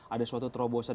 ada suatu terobosan